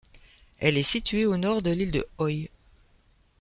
Elle est située au Nord de l'île de Hoy.